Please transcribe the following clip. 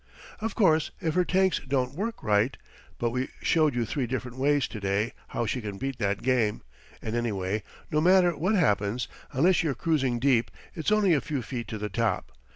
"Of course if her tanks don't work right! But we showed you three different ways to day how she can beat that game. And anyway, no matter what happens, unless you're cruising deep, it's only a few feet to the top.